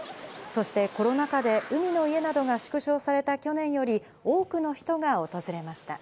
そしてコロナ禍で海の家などが縮小された去年より、多くの人が訪れました。